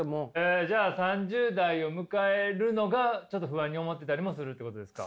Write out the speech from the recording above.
じゃあ３０代を迎えるのがちょっと不安に思ってたりもするっていうことですか？